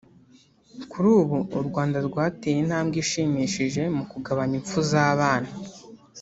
Kuri ubu u Rwanda rwateye intambwe ishimishije mu kugabanya impfu z’abana